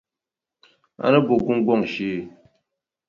N ni bo gungɔŋ shee.